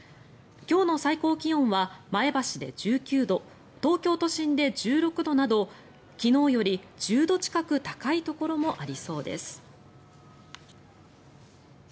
今日の最高気温は前橋で１９度東京都心で１６度など昨日より１０度近く高いところもありそうです。